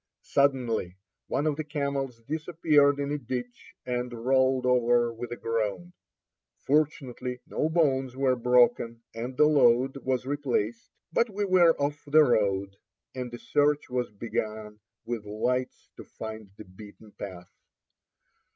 Suddenly one of the camels disappeared in a ditch, and rolled over with a groan. Fortunately, no bones were broken, and the load was replaced. But we were off the road, and a search was begun with lights to find the beaten path.